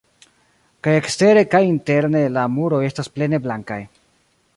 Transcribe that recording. Kaj ekstere kaj interne la muroj estas plene blankaj.